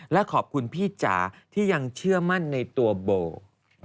และขอบคุณพี่จ๋าที่ยังเชื่อมั่นในตัวโบ